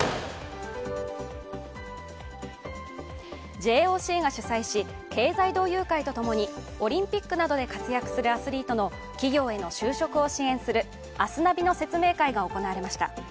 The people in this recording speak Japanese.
ＪＯＣが主催し、経済同友会と共にオリンピックなどで活躍するアスリートの企業への就職を支援する就職を支援するアスナビの説明会が行われました。